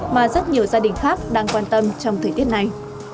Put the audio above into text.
mà rất nhiều gia đình khác đang quan tâm trong thời tiết này